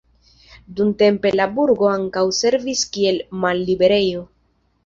Dumtempe la burgo ankaŭ servis kiel malliberejo.